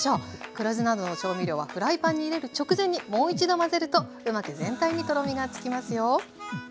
黒酢などの調味料はフライパンに入れる直前にもう一度混ぜるとうまく全体にとろみがつきますよ。